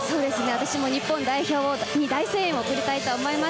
私も日本代表に大声援を送りたいと思います。